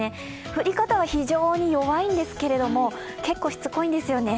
降り方は非常に弱いんですけど、結構しつこいんですよね。